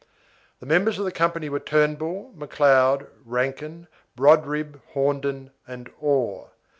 The members of the company were Turnbull, McLeod, Rankin, Brodribb, Hornden, and Orr.